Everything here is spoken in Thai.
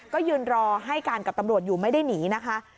ก็ยืนรอให้การกับตำรวจอยู่ไม่ได้หนีนะคะ